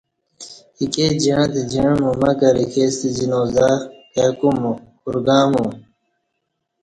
اکے جعں تہ جعں مو مگر اِکےستہ جنازہ کائی کُومو، کار گامو۔